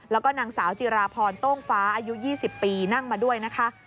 แล้วก็นางสาวจิราพรโต้งฟ้าอายุ๒๐ปีนั่งมาด้วยนะคะ